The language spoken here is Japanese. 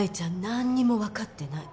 何にも分かってない。